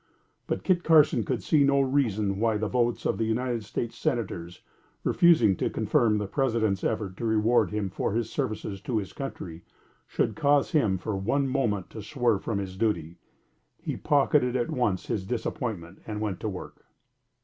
But Kit Carson could see no reason why the votes of the United States Senators, refusing to confirm the President's effort to reward him for his services to his country, should cause him for one moment to swerve from his duty. He pocketed at once his disappointment, and went to work.